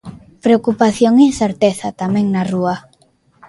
Preocupación e incerteza tamén na rúa.